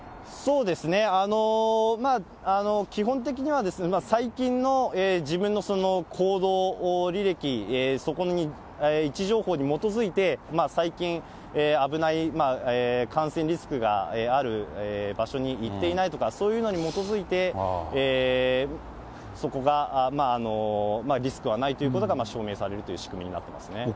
基本的には、最近の自分の行動履歴、そこの位置情報に基づいて、最近、危ない感染リスクがある場所に行っていないとか、そういうのに基づいて、そこがリスクはないということが証明されるという仕組みになってますね。